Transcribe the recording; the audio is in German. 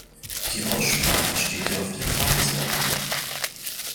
Die Aussprache steht ja auf der Tagesordnung.